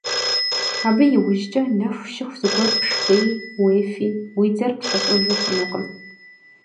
Абы и ужькӀэ нэху щыху зыгуэр пшхыи, уефи, уи дзэр плъэщӀыжи хъунукъым.